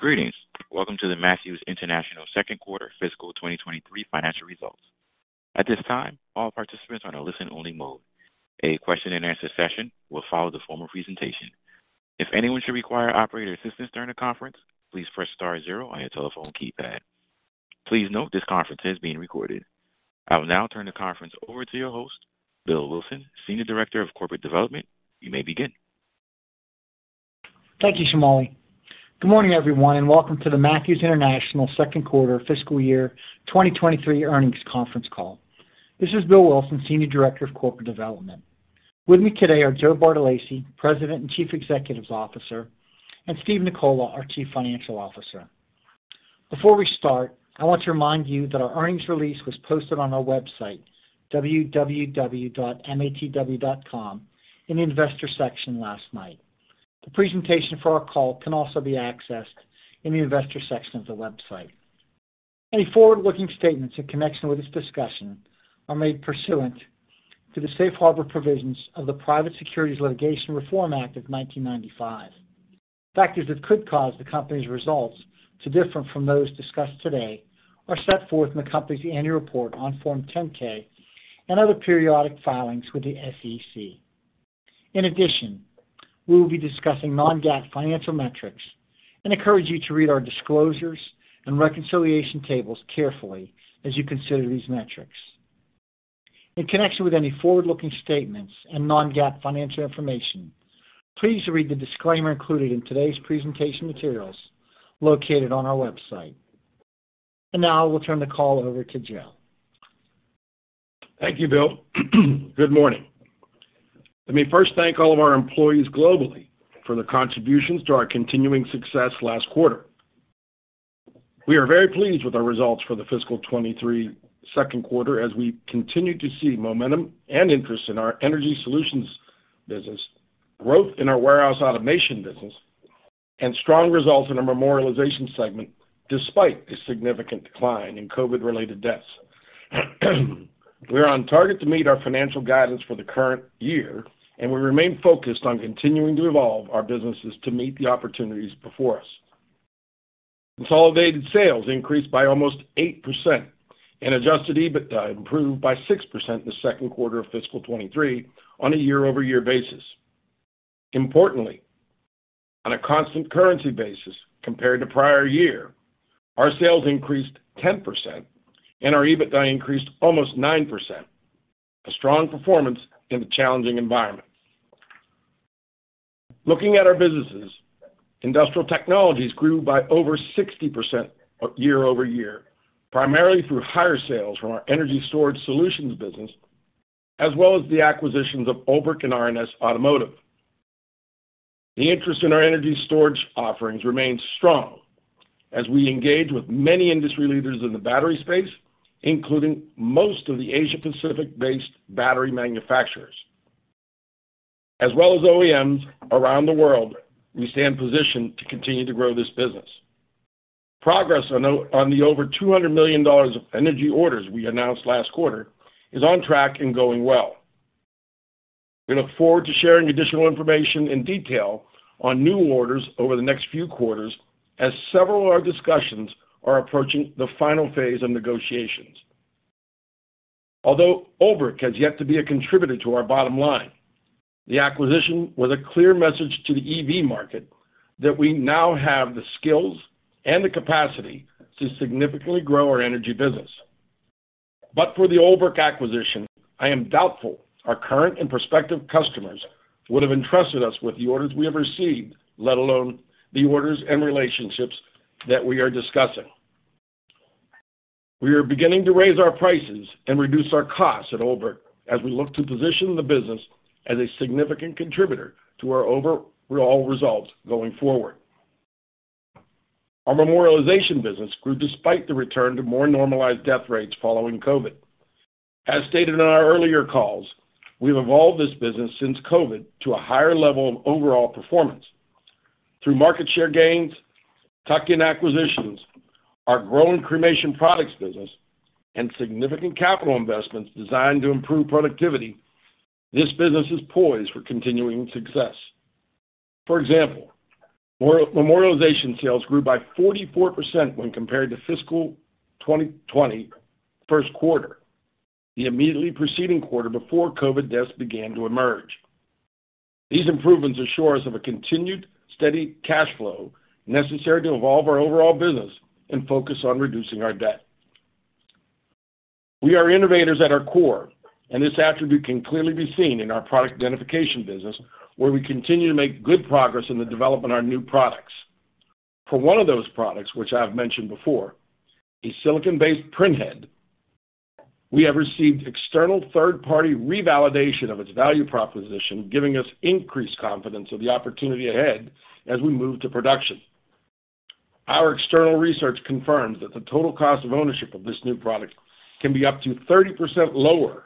Greetings. Welcome to the Matthews International second quarter fiscal 2023 financial results. At this time, all participants are in a listen-only mode. A question and answer session will follow the formal presentation. If anyone should require operator assistance during the conference, please press star zero on your telephone keypad. Please note this conference is being recorded. I will now turn the conference over to your host, Bill Wilson, Senior Director of Corporate Development. You may begin. Thank you, Shimon. Good morning, everyone, and welcome to the Matthews International second quarter fiscal year 2023 earnings conference call. This is Bill Wilson, Senior Director of Corporate Development. With me today are Joe Bartolacci, President and Chief Executive Officer, and Steve Nicola, our Chief Financial Officer. Before we start, I want to remind you that our earnings release was posted on our website, www.matw.com, in the investor section last night. The presentation for our call can also be accessed in the investor section of the website. Any forward-looking statements in connection with this discussion are made pursuant to the Safe Harbor provisions of the Private Securities Litigation Reform Act of 1995. Factors that could cause the company's results to differ from those discussed today are set forth in the company's annual report on Form 10-K and other periodic filings with the SEC. In addition, we will be discussing non-GAAP financial metrics and encourage you to read our disclosures and reconciliation tables carefully as you consider these metrics. In connection with any forward-looking statements and non-GAAP financial information, please read the disclaimer included in today's presentation materials located on our website. Now I will turn the call over to Joe. Thank you, Bill. Good morning. Let me first thank all of our employees globally for their contributions to our continuing success last quarter. We are very pleased with our results for the fiscal 2023 second quarter as we continue to see momentum and interest in our energy solutions business, growth in our warehouse automation business, and strong results in our memorialization segment, despite the significant decline in COVID-related deaths. We're on target to meet our financial guidance for the current year. We remain focused on continuing to evolve our businesses to meet the opportunities before us. Consolidated sales increased by almost 8% and adjusted EBITDA improved by 6% in the second quarter of fiscal 2023 on a year-over-year basis. Importantly, on a constant currency basis compared to prior year, our sales increased 10% and our EBITDA increased almost 9%. A strong performance in a challenging environment. Looking at our businesses, industrial technologies grew by over 60% year-over-year, primarily through higher sales from our energy storage solutions business, as well as the acquisitions of OLBRICH and R+S Automotive. The interest in our energy storage offerings remains strong as we engage with many industry leaders in the battery space, including most of the Asia Pacific-based battery manufacturers. As well as OEMs around the world, we stand positioned to continue to grow this business. Progress on the over $200 million of energy orders we announced last quarter is on track and going well. We look forward to sharing additional information in detail on new orders over the next few quarters as several of our discussions are approaching the final phase of negotiations. Although OLBRICH has yet to be a contributor to our bottom line, the acquisition was a clear message to the EV market that we now have the skills and the capacity to significantly grow our energy business. For the OLBRICH acquisition, I am doubtful our current and prospective customers would have entrusted us with the orders we have received, let alone the orders and relationships that we are discussing. We are beginning to raise our prices and reduce our costs at OLBRICH as we look to position the business as a significant contributor to our overall results going forward. Our memorialization business grew despite the return to more normalized death rates following COVID. As stated on our earlier calls, we've evolved this business since COVID to a higher level of overall performance. Through market share gains, tuck-in acquisitions, our growing cremation products business, and significant capital investments designed to improve productivity, this business is poised for continuing success. For example, memorialization sales grew by 44% when compared to fiscal 2020 first quarter, the immediately preceding quarter before COVID deaths began to emerge. These improvements assure us of a continued steady cash flow necessary to evolve our overall business and focus on reducing our debt. We are innovators at our core. This attribute can clearly be seen in our product identification business, where we continue to make good progress in the development of our new products. For one of those products, which I have mentioned before, a silicon-based printhead, we have received external third-party revalidation of its value proposition, giving us increased confidence of the opportunity ahead as we move to production. Our external research confirms that the total cost of ownership of this new product can be up to 30% lower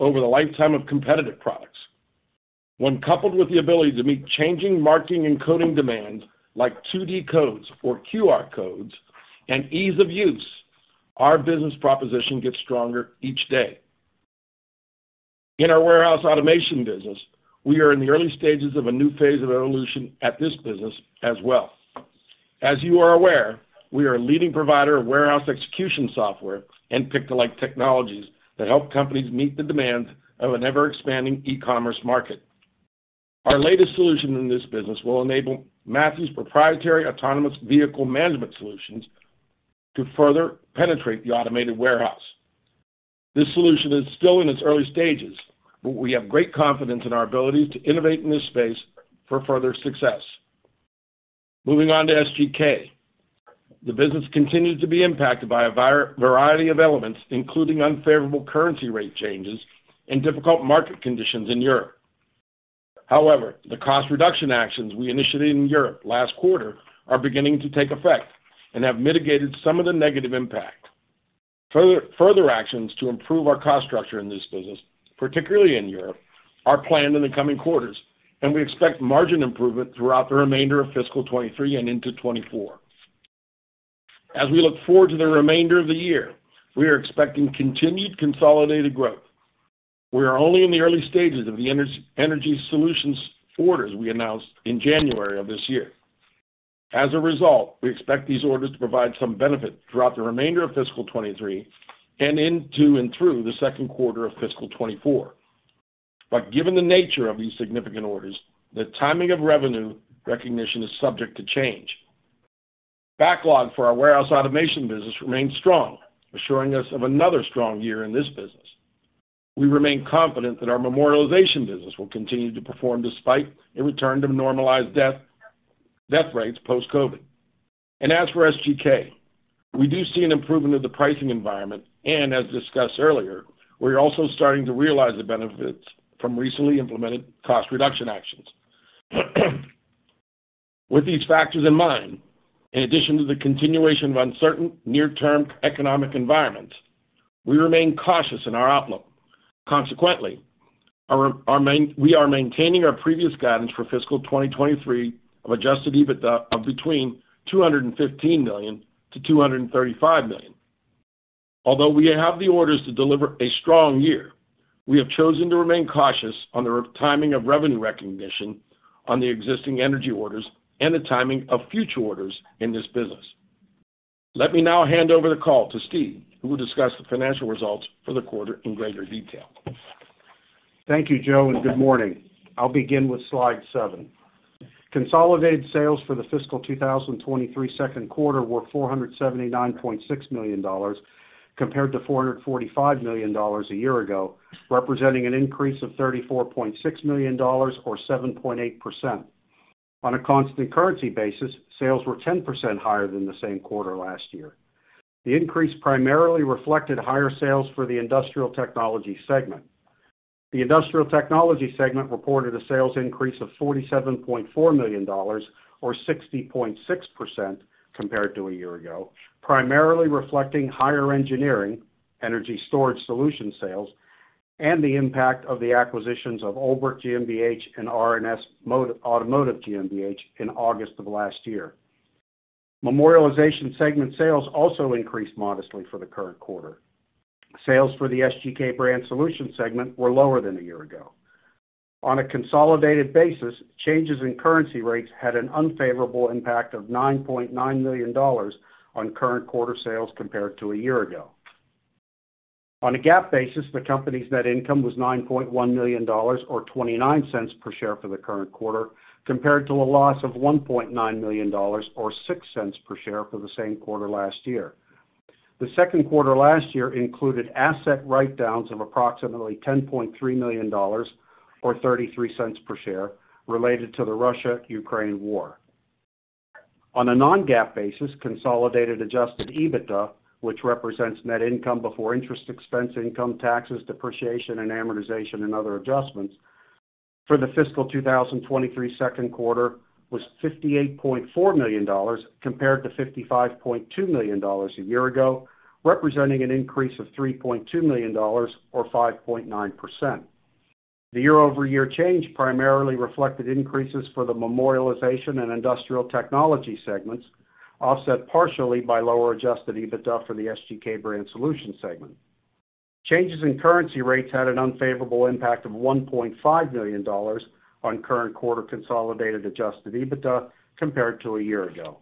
over the lifetime of competitive products. When coupled with the ability to meet changing marketing and coding demands like 2D codes or QR codes and ease of use, our business proposition gets stronger each day. Our warehouse automation business, we are in the early stages of a new phase of evolution at this business as well. As you are aware, we are a leading provider of warehouse execution software and pick-to-light technologies that help companies meet the demands of an ever-expanding e-commerce market. Our latest solution in this business will enable Matthews' proprietary autonomous vehicle management solutions to further penetrate the automated warehouse. This solution is still in its early stages, we have great confidence in our ability to innovate in this space for further success. Moving on to SGK. The business continues to be impacted by a variety of elements, including unfavorable currency rate changes and difficult market conditions in Europe. However, the cost reduction actions we initiated in Europe last quarter are beginning to take effect and have mitigated some of the negative impact. Further actions to improve our cost structure in this business, particularly in Europe, are planned in the coming quarters, and we expect margin improvement throughout the remainder of fiscal 2023 and into 2024. As we look forward to the remainder of the year, we are expecting continued consolidated growth. We are only in the early stages of the energy solutions orders we announced in January of this year. As a result, we expect these orders to provide some benefit throughout the remainder of fiscal 2023 and into and through the second quarter of fiscal 2024. Given the nature of these significant orders, the timing of revenue recognition is subject to change. Backlog for our warehouse automation business remains strong, assuring us of another strong year in this business. We remain confident that our memorialization business will continue to perform despite a return to normalized death rates post-COVID. As for SGK, we do see an improvement of the pricing environment, and as discussed earlier, we're also starting to realize the benefits from recently implemented cost reduction actions. With these factors in mind, in addition to the continuation of uncertain near-term economic environment, we remain cautious in our outlook. Consequently, we are maintaining our previous guidance for fiscal 2023 of adjusted EBITDA of between $215 million to $235 million. Although we have the orders to deliver a strong year, we have chosen to remain cautious on the timing of revenue recognition on the existing energy orders and the timing of future orders in this business. Let me now hand over the call to Steve, who will discuss the financial results for the quarter in greater detail. Thank you, Joe, and good morning. I'll begin with slide 7. Consolidated sales for the fiscal 2023 second quarter were $479.6 million, compared to $445 million a year ago, representing an increase of $34.6 million or 7.8%. On a constant currency basis, sales were 10% higher than the same quarter last year. The increase primarily reflected higher sales for the industrial technology segment. The industrial technology segment reported a sales increase of $47.4 million or 60.6% compared to a year ago, primarily reflecting higher engineering, energy storage solution sales, and the impact of the acquisitions of OLBRICH GmbH and R+S Automotive GmbH in August of last year. Memorialization segment sales also increased modestly for the current quarter. Sales for the SGK Brand Solutions segment were lower than a year ago. On a consolidated basis, changes in currency rates had an unfavorable impact of $9.9 million on current quarter sales compared to a year ago. On a GAAP basis, the company's net income was $9.1 million or $0.29 per share for the current quarter, compared to a loss of $1.9 million or $0.06 per share for the same quarter last year. The second quarter last year included asset write-downs of approximately $10.3 million or $0.33 per share related to the Russia-Ukraine war. On a non-GAAP basis, consolidated adjusted EBITDA, which represents net income before interest expense, income taxes, depreciation and amortization and other adjustments for the fiscal 2023 second quarter was $58.4 million compared to $55.2 million a year ago, representing an increase of $3.2 million or 5.9%. The year-over-year change primarily reflected increases for the memorialization and industrial technology segments, offset partially by lower adjusted EBITDA for the SGK Brand Solutions segment. Changes in currency rates had an unfavorable impact of $1.5 million on current quarter consolidated adjusted EBITDA compared to a year ago.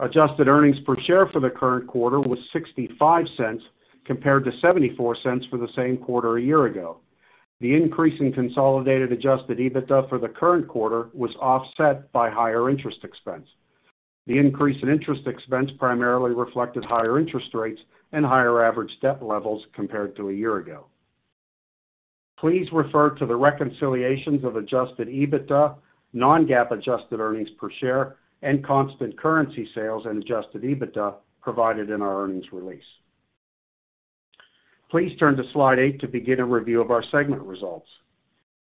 Adjusted earnings per share for the current quarter was $0.65 compared to $0.74 for the same quarter a year ago. The increase in consolidated adjusted EBITDA for the current quarter was offset by higher interest expense. The increase in interest expense primarily reflected higher interest rates and higher average debt levels compared to a year ago. Please refer to the reconciliations of adjusted EBITDA, non-GAAP adjusted earnings per share, and constant currency sales and adjusted EBITDA provided in our earnings release. Please turn to slide eight to begin a review of our segment results.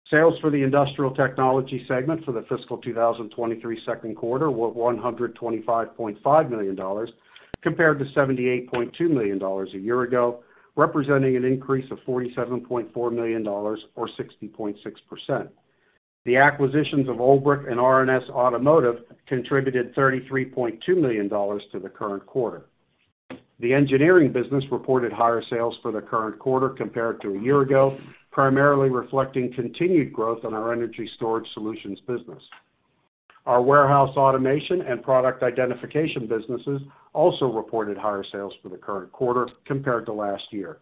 Sales for the industrial technology segment for the fiscal 2023 second quarter were $125.5 million, compared to $78.2 million a year ago, representing an increase of $47.4 million or 60.6%. The acquisitions of OLBRICH and R+S Automotive contributed $33.2 million to the current quarter. The engineering business reported higher sales for the current quarter compared to a year ago, primarily reflecting continued growth on our energy storage solutions business. Our warehouse automation and product identification businesses also reported higher sales for the current quarter compared to last year.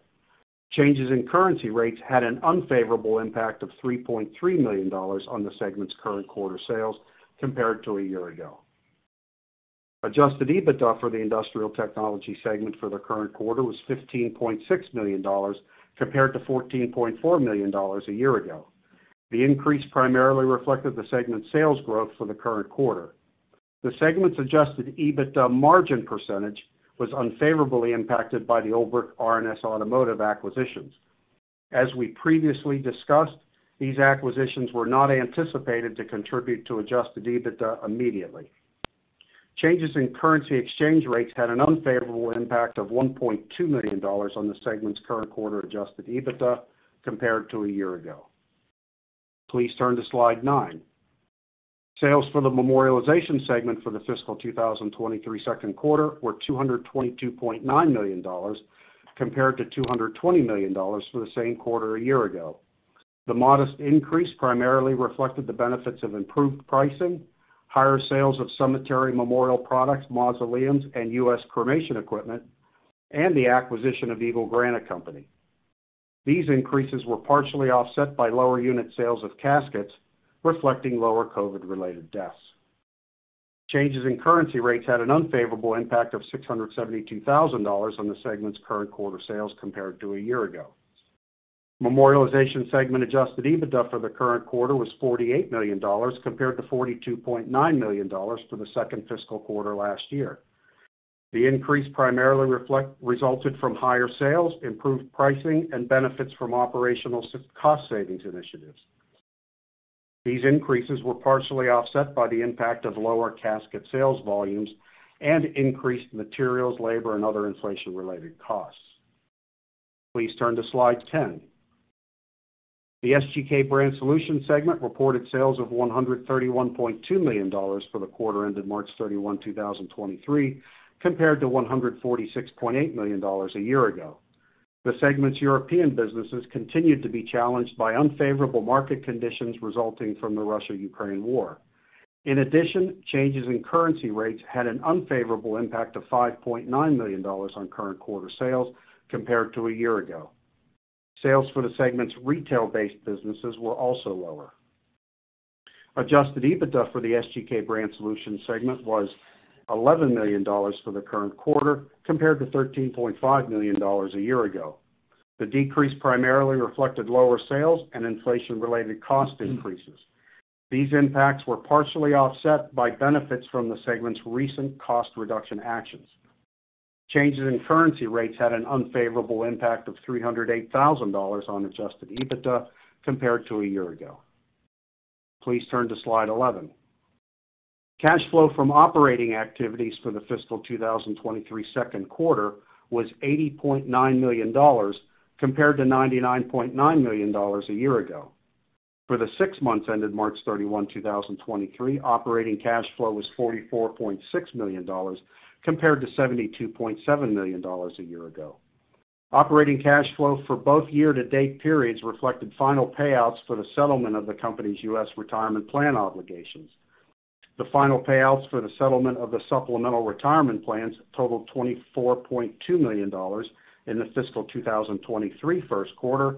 Changes in currency rates had an unfavorable impact of $3.3 million on the segment's current quarter sales compared to a year ago. adjusted EBITDA for the industrial technology segment for the current quarter was $15.6 million, compared to $14.4 million a year ago. The increase primarily reflected the segment's sales growth for the current quarter. The segment's adjusted EBITDA margin percentage was unfavorably impacted by the OLBRICH R+S Automotive acquisitions. As we previously discussed, these acquisitions were not anticipated to contribute to adjusted EBITDA immediately. Changes in currency exchange rates had an unfavorable impact of $1.2 million on the segment's current quarter adjusted EBITDA compared to a year ago. Please turn to Slide nine. Sales for the Memorialization segment for the fiscal 2023 second quarter were $222.9 million, compared to $220 million for the same quarter a year ago. The modest increase primarily reflected the benefits of improved pricing, higher sales of cemetery memorial products, mausoleums, and US cremation equipment, and the acquisition of Eagle Granite Company. These increases were partially offset by lower unit sales of caskets, reflecting lower COVID-related deaths. Changes in currency rates had an unfavorable impact of $672,000 on the segment's current quarter sales compared to a year ago. Memorialization segment adjusted EBITDA for the current quarter was $48 million, compared to $42.9 million for the second fiscal quarter last year. The increase primarily resulted from higher sales, improved pricing, and benefits from operational cost savings initiatives. These increases were partially offset by the impact of lower casket sales volumes and increased materials, labor, and other inflation-related costs. Please turn to Slide 10. The SGK Brand Solutions segment reported sales of $131.2 million for the quarter ended March 31, 2023, compared to $146.8 million a year ago. The segment's European businesses continued to be challenged by unfavorable market conditions resulting from the Russia-Ukraine war. In addition, changes in currency rates had an unfavorable impact of $5.9 million on current quarter sales compared to a year ago. Sales for the segment's retail-based businesses were also lower. Adjusted EBITDA for the SGK Brand Solutions segment was $11 million for the current quarter, compared to $13.5 million a year ago. The decrease primarily reflected lower sales and inflation-related cost increases. These impacts were partially offset by benefits from the segment's recent cost reduction actions. Changes in currency rates had an unfavorable impact of $308,000 on adjusted EBITDA compared to a year ago. Please turn to Slide 11. Cash flow from operating activities for the fiscal 2023 second quarter was $80.9 million, compared to $99.9 million a year ago. For the 6 months ended March 31, 2023, operating cash flow was $44.6 million, compared to $72.7 million a year ago. Operating cash flow for both year-to-date periods reflected final payouts for the settlement of the company's U.S. retirement plan obligations. The final payouts for the settlement of the supplemental retirement plans totaled $24.2 million in the fiscal 2023 first quarter.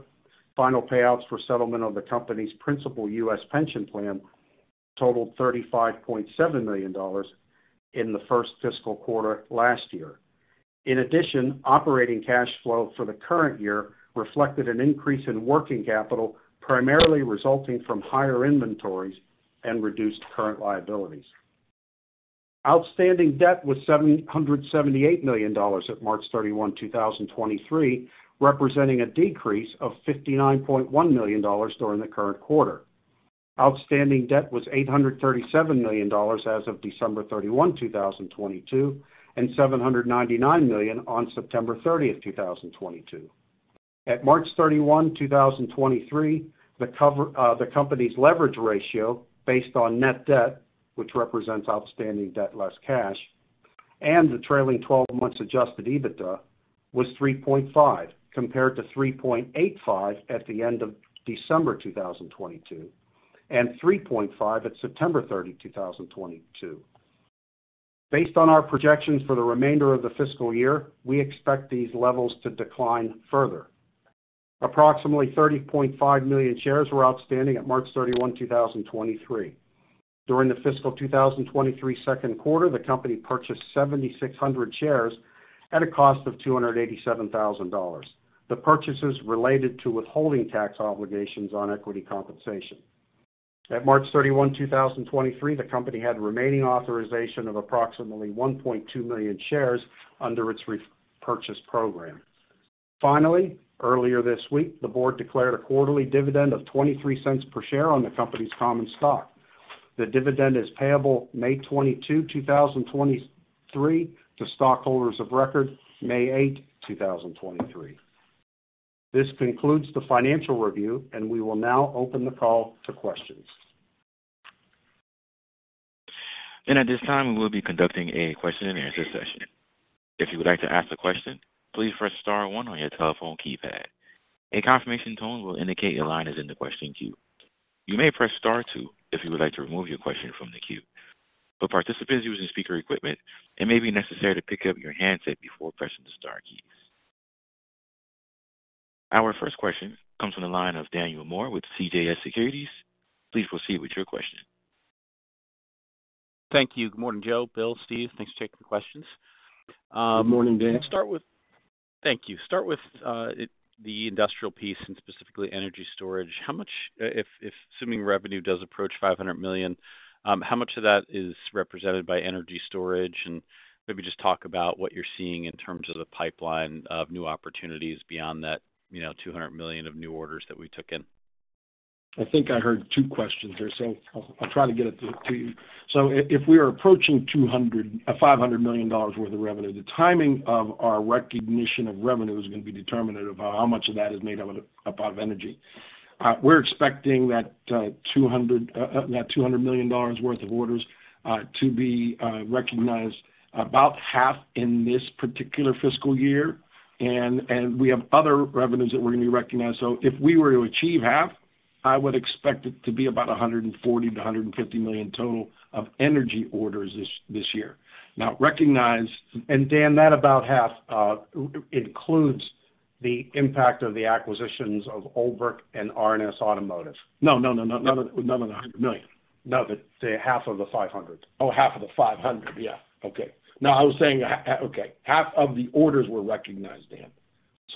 Final payouts for settlement of the company's principal US pension plan totaled $35.7 million in the first fiscal quarter last year. In addition, operating cash flow for the current year reflected an increase in working capital, primarily resulting from higher inventories and reduced current liabilities. Outstanding debt was $778 million at March 31, 2023, representing a decrease of $59.1 million during the current quarter. Outstanding debt was $837 million as of December 31, 2022, and $799 million on September 30, 2022. At March 31, 2023, the company's leverage ratio based on net debt, which represents outstanding debt less cash, and the trailing 12 months adjusted EBITDA, was 3.5, compared to 3.85 at the end of December 2022, and 3.5 at September 30, 2022. Based on our projections for the remainder of the fiscal year, we expect these levels to decline further. Approximately 30.5 million shares were outstanding at March 31, 2023. During the fiscal 2023 second quarter, the company purchased 7,600 shares at a cost of $287,000. The purchases related to withholding tax obligations on equity compensation. At March 31, 2023, the company had remaining authorization of approximately 1.2 million shares under its repurchase program. Earlier this week, the board declared a quarterly dividend of $0.23 per share on the company's common stock. The dividend is payable May 22, 2023 to stockholders of record, May 8, 2023. This concludes the financial review, and we will now open the call to questions. At this time, we will be conducting a question and answer session. If you would like to ask a question, please press star one on your telephone keypad. A confirmation tone will indicate your line is in the question queue. You may press star two if you would like to remove your question from the queue. For participants using speaker equipment, it may be necessary to pick up your handset before pressing the star keys. Our first question comes from the line of Daniel Moore with CJS Securities. Please proceed with your question. Thank you. Good morning, Joe, Bill, Steve. Thanks for taking the questions. Good morning, Dan. Thank you. Start with the industrial piece and specifically energy storage. How much if assuming revenue does approach $500 million, how much of that is represented by energy storage? Maybe just talk about what you're seeing in terms of the pipeline of new opportunities beyond that, you know, $200 million of new orders that we took in. I think I heard two questions there, so I'll try to get it to you. If we are approaching $500 million worth of revenue, the timing of our recognition of revenue is gonna be determinant of how much of that is made out of, above energy. We're expecting that $200 million worth of orders to be recognized about half in this particular fiscal year. We have other revenues that we're gonna be recognized. If we were to achieve half, I would expect it to be about $140 million-$150 million total of energy orders this year. Now recognized- Dan, that about half, includes the impact of the acquisitions of OLBRICH and R+S Automotive. No, no. None of the $100 million. No, the half of the $500. Oh, half of the $500. Yeah. Okay. No, I was saying Okay, half of the orders were recognized, Dan.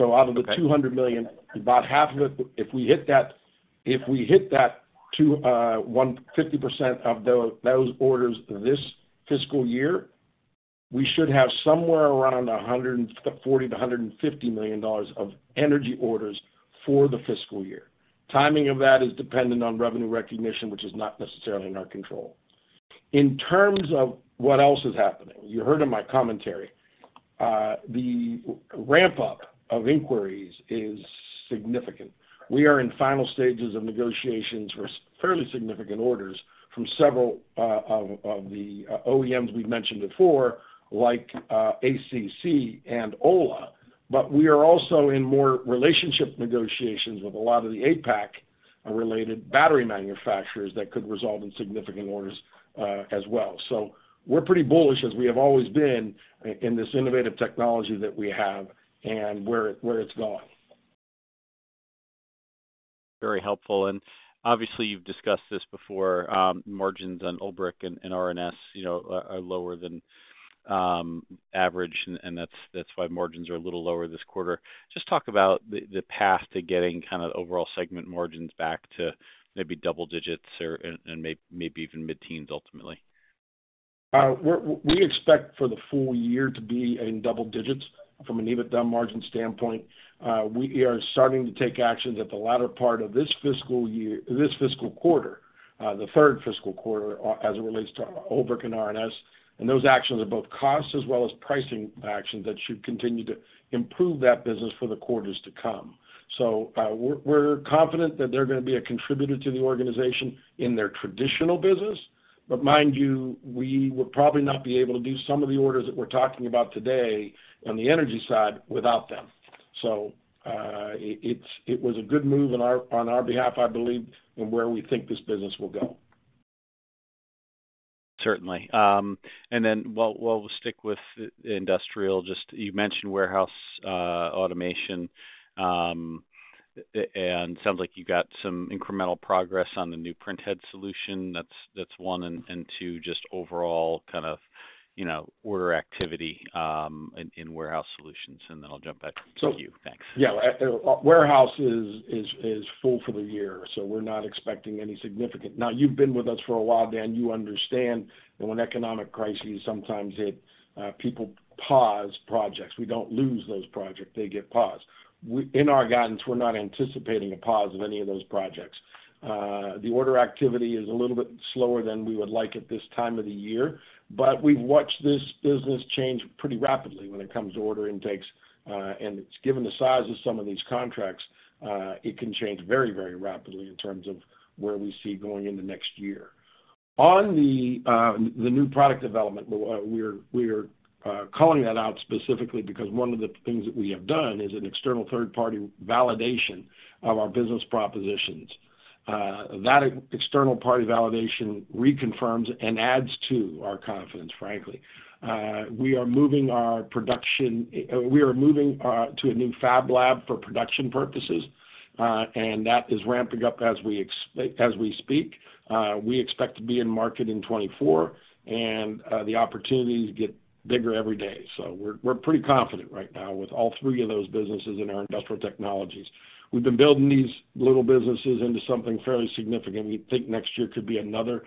Okay. Out of the $200 million, about half of it, if we hit that 50% of those orders this fiscal year, we should have somewhere around $140 million-$150 million of energy orders for the fiscal year. Timing of that is dependent on revenue recognition, which is not necessarily in our control. In terms of what else is happening, you heard in my commentary, the ramp up of inquiries is significant. We are in final stages of negotiations for fairly significant orders from several of the OEMs we've mentioned before, like ACC and Ola. We are also in more relationship negotiations with a lot of the APAC-related battery manufacturers that could result in significant orders as well. We're pretty bullish, as we have always been in this innovative technology that we have and where it's going. Very helpful. Obviously, you've discussed this before, margins on OLBRICH and R&S, you know, are lower than average, and that's why margins are a little lower this quarter. Just talk about the path to getting kinda overall segment margins back to maybe double digits or and maybe even mid-teens ultimately. We expect for the full year to be in double digits from an EBITDA margin standpoint. We are starting to take actions at the latter part of this fiscal quarter, the third fiscal quarter, as it relates to OLBRICH and R&S. Those actions are both costs as well as pricing actions that should continue to improve that business for the quarters to come. We're confident that they're gonna be a contributor to the organization in their traditional business. Mind you, we would probably not be able to do some of the orders that we're talking about today on the energy side without them. It was a good move on our behalf, I believe, in where we think this business will go. Certainly. Then we'll stick with industrial. Just you mentioned warehouse automation, and it sounds like you got some incremental progress on the new print head solution. That's one. Two, just overall kind of, you know, order activity in warehouse solutions, and then I'll jump back to the queue. Thanks. Yeah. Warehouse is full for the year. We're not expecting any significant... Now, you've been with us for a while, Dan. You understand that when economic crises, sometimes it, people pause projects. We don't lose those projects, they get paused. In our guidance, we're not anticipating a pause of any of those projects. The order activity is a little bit slower than we would like at this time of the year, but we've watched this business change pretty rapidly when it comes to order intakes. It's given the size of some of these contracts, it can change very rapidly in terms of where we see going into next year. On the new product development, we're calling that out specifically because one of the things that we have done is an external third party validation of our business propositions. That external party validation reconfirms and adds to our confidence, frankly. We are moving our production. We are moving to a new fab lab for production purposes, and that is ramping up as we speak. We expect to be in market in 2024, and the opportunities get bigger every day. We're pretty confident right now with all three of those businesses in our industrial technologies. We've been building these little businesses into something fairly significant. We think next year could be another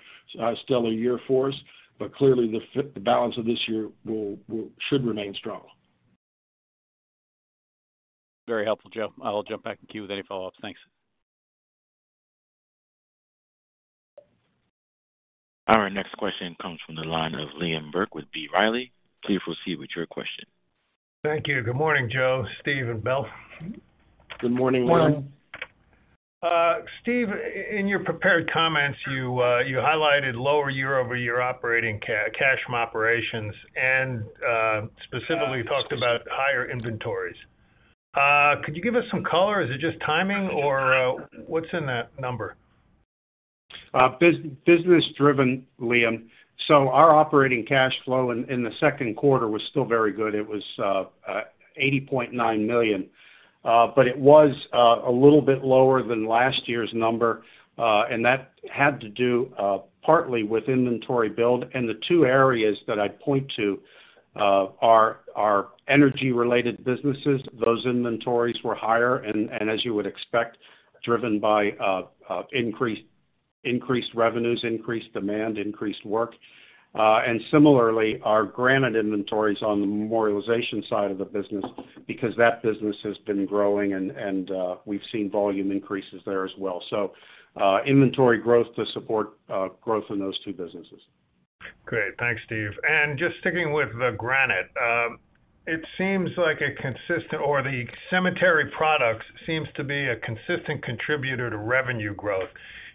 stellar year for us, but clearly the balance of this year should remain strong. Very helpful, Joe. I'll jump back in queue with any follow-ups. Thanks. Our next question comes from the line of Liam Burke with B. Riley. Please proceed with your question. Thank you. Good morning, Joe, Steve, and Bill. Good morning, Liam. Steve, in your prepared comments, you highlighted lower year-over-year operating cash operations and, specifically talked about higher inventories. Could you give us some color? Is it just timing or, what's in that number? Business driven, Liam. Our operating cash flow in the second quarter was still very good. It was $80.9 million. It was a little bit lower than last year's number, and that had to do partly with inventory build. The two areas that I'd point to are energy-related businesses. Those inventories were higher and as you would expect, driven by increased revenues, increased demand, increased work. Similarly, our granite inventories on the memorialization side of the business, because that business has been growing and we've seen volume increases there as well. Inventory growth to support growth in those two businesses. Great. Thanks, Steve. Just sticking with the granite, it seems like a consistent or the cemetery products seems to be a consistent contributor to revenue growth.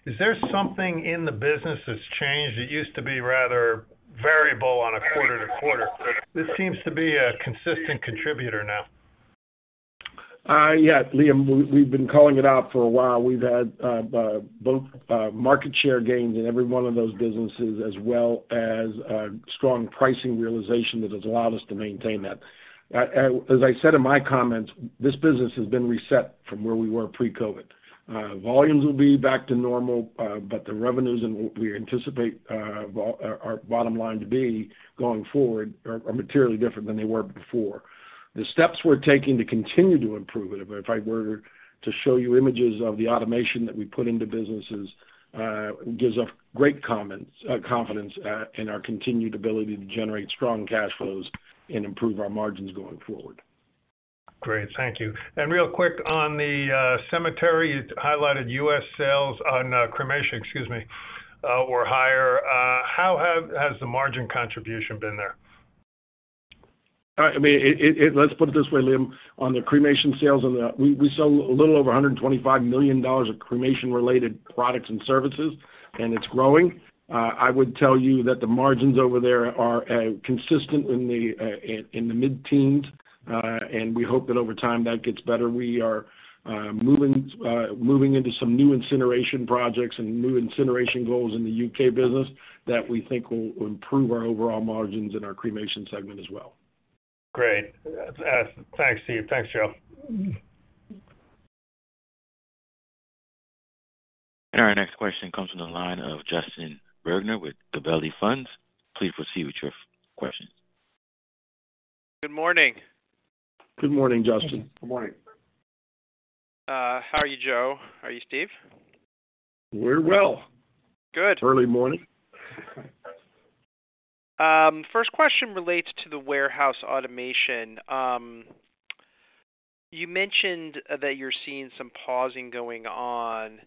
Is there something in the business that's changed? It used to be rather variable on a quarter to quarter. This seems to be a consistent contributor now. Yeah, Liam, we've been calling it out for a while. We've had both market share gains in every one of those businesses, as well as strong pricing realization that has allowed us to maintain that. As I said in my comments, this business has been reset from where we were pre-COVID. Volumes will be back to normal, but the revenues and we anticipate our bottom line to be going forward are materially different than they were before. The steps we're taking to continue to improve it, if I were to show you images of the automation that we put into businesses, gives us great confidence in our continued ability to generate strong cash flows and improve our margins going forward. Great. Thank you. Real quick on the cemetery, you highlighted U.S. sales on cremation, excuse me, were higher. How has the margin contribution been there? I mean, let's put it this way, Liam. On the cremation sales, we sell a little over $125 million of cremation-related products and services, and it's growing. I would tell you that the margins over there are consistent in the mid-teens. We hope that over time that gets better. We are moving into some new incineration projects and new incineration goals in the U.K. business that we think will improve our overall margins in our cremation segment as well. Great. thanks, Steve. Thanks, Joe. Our next question comes from the line of Justin Bergner with Gabelli Funds. Please proceed with your questions. Good morning. Good morning, Justin. Good morning. How are you, Joe? How are you, Steve? We're well. Good. Early morning. First question relates to the warehouse automation. You mentioned that you're seeing some pausing going on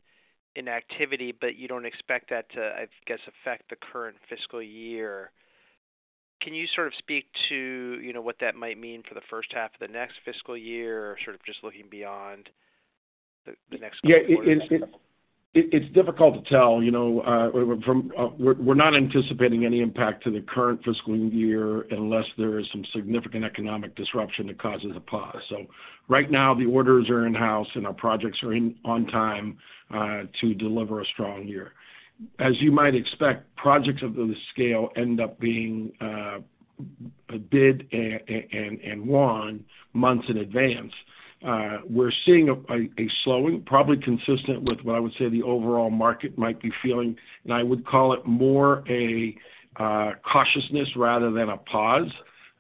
in activity, you don't expect that to, I guess, affect the current fiscal year. Can you sort of speak to, you know, what that might mean for the first half of the next fiscal year or sort of just looking beyond the next quarter? Yeah. It's difficult to tell, you know, from. We're not anticipating any impact to the current fiscal year unless there is some significant economic disruption that causes a pause. Right now, the orders are in-house and our projects are on time to deliver a strong year. You might expect, projects of this scale end up being bid and won months in advance. We're seeing a slowing, probably consistent with what I would say the overall market might be feeling, and I would call it more a cautiousness rather than a pause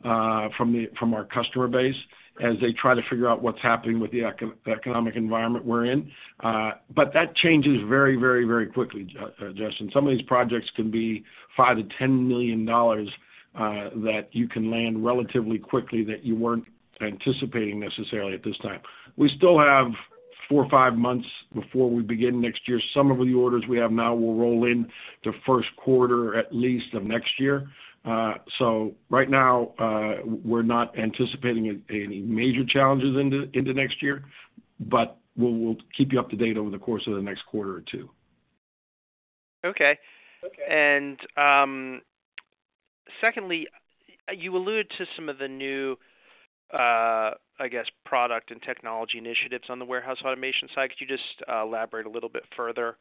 from our customer base as they try to figure out what's happening with the economic environment we're in. That changes very, very, very quickly, Justin. Some of these projects can be $5 million-$10 million that you can land relatively quickly that you weren't anticipating necessarily at this time. We still have 4 or 5 months before we begin next year. Some of the orders we have now will roll in the 1st quarter, at least, of next year. Right now, we're not anticipating any major challenges into next year, but we'll keep you up to date over the course of the next quarter or 2. Okay. Secondly, you alluded to some of the new, I guess, product and technology initiatives on the warehouse automation side. Could you just elaborate a little bit further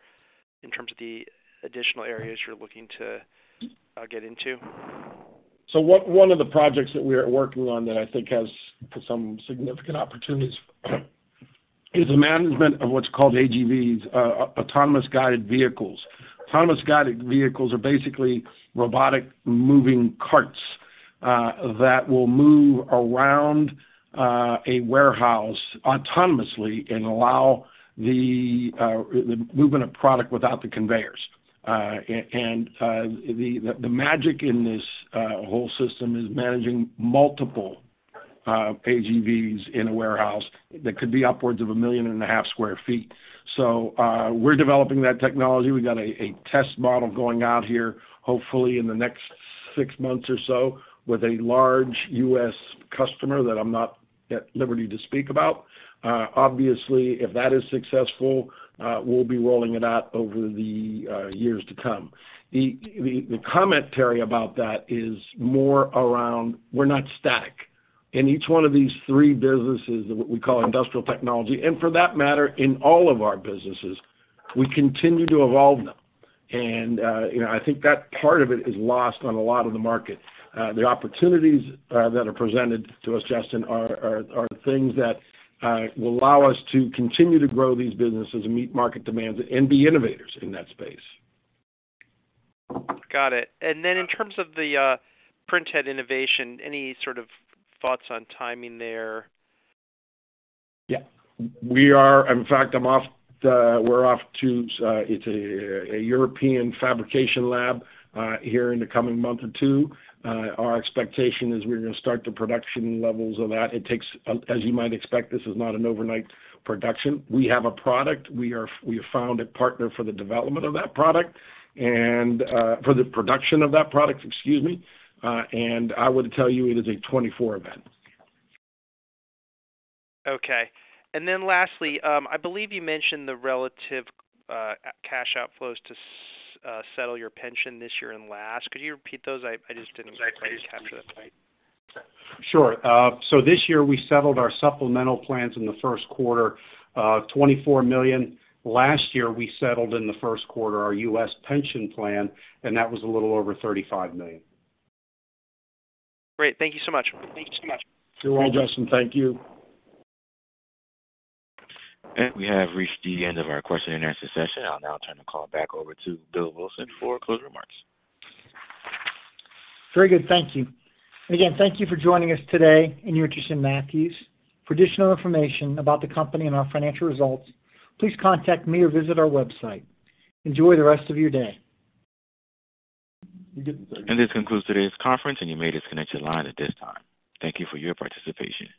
in terms of the additional areas you're looking to get into? One of the projects that we are working on that I think has some significant opportunities is the management of what's called AGVs, automated guided vehicles. Autonomous guided vehicles are basically robotic moving carts that will move around a warehouse autonomously and allow the movement of product without the conveyors. And the magic in this whole system is managing multiple AGVs in a warehouse that could be upwards of 1.5 million sq ft. We're developing that technology. We got a test model going out here, hopefully in the next 6 months or so with a large U.S. customer that I'm not at liberty to speak about. Obviously, if that is successful, we'll be rolling it out over the years to come. The commentary about that is more around we're not static. In each one of these three businesses, what we call industrial technology, and for that matter, in all of our businesses, we continue to evolve them. You know, I think that part of it is lost on a lot of the market. The opportunities that are presented to us, Justin, are things that will allow us to continue to grow these businesses and meet market demands and be innovators in that space. Got it. In terms of the printhead innovation, any sort of thoughts on timing there? Yeah. In fact, we're off to a European fabrication lab here in the coming month or two. Our expectation is we're gonna start the production levels of that. It takes, as you might expect, this is not an overnight production. We have a product. We have found a partner for the development of that product and for the production of that product, excuse me, I would tell you it is a 24 event. Okay. Lastly, I believe you mentioned the relative cash outflows to settle your pension this year and last. Could you repeat those? I just didn't quite capture that. This year we settled our supplemental plans in the first quarter, $24 million. Last year, we settled in the first quarter, our U.S. pension plan, and that was a little over $35 million. Great. Thank you so much. Thank you so much. You're welcome, Justin. Thank you. We have reached the end of our question and answer session. I'll now turn the call back over to Bill Wilson for closing remarks. Very good. Thank you. Thank you for joining us today in Matthews International. For additional information about the company and our financial results, please contact me or visit our website. Enjoy the rest of your day. This concludes today's conference, and you may disconnect your line at this time. Thank you for your participation.